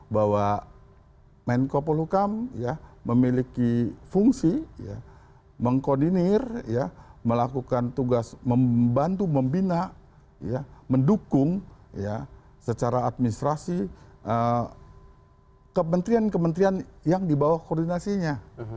bahwa menko polukam memiliki fungsi mengkoordinir melakukan tugas membantu membina mendukung secara administrasi kementerian kementerian yang di bawah koordinasinya